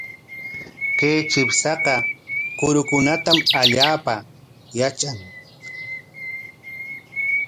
Kay chipshaqa kurukunatam allaapa yatran.